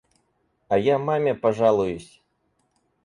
А я маме пожалуюсь.